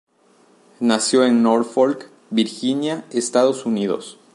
Nació en Norfolk, Virginia, Estados Unidos.